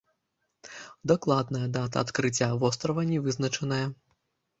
Дакладная дата адкрыцця вострава не вызначаная.